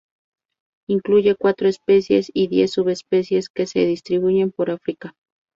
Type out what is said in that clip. Incluye cuatro especies y diez subespecies, que se distribuyen por África.